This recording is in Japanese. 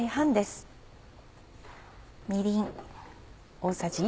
みりん。